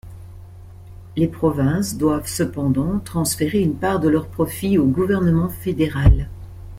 Les provinces doivent cependant transférer une part de leurs profits au gouvernement fédéral.